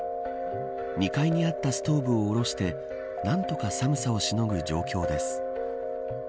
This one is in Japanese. ２階にあったストーブを下ろして何とか寒さをしのぐ状況です。